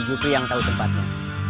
si jukri yang tau tempatnya